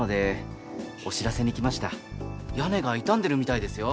屋根が傷んでるみたいですよ。